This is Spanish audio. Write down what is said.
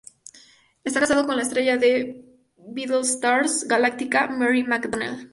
Está casado con la estrella de "Battlestar Galactica" Mary McDonnell.